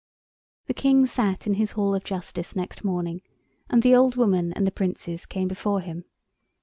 The King sat in his Hall of Justice next morning, and the old woman and the Princes came before him.